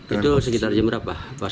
itu sekitar jam berapa